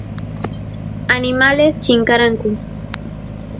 animales chinkaranku